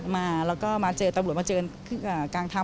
มาแล้วก็มาเจอตำรวจมาเจอกลางทาง